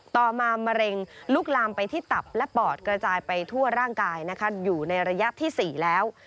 ต่อมามะเร็งลุกลามไปที่ตับและปอดกระจายไปทั่วร่างกายนะคะอยู่ในระยะที่๔แล้ว